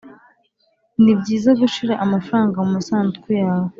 nibyiza gushira amafaranga mumasanduku yawe